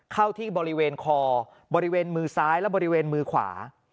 เข้าที่บริเวณคอบริเวณมือซ้ายและบริเวณมือขวา